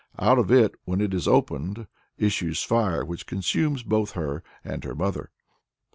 Out of it, when it is opened, issues fire, which consumes both her and her mother.